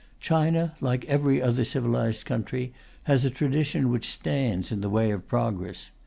China, like every other civilized country, has a tradition which stands in the way of progress.